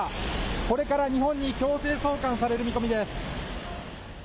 これから日本に強制送還される見込みです。